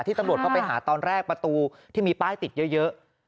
ตำรวจเข้าไปหาตอนแรกประตูที่มีป้ายติดเยอะ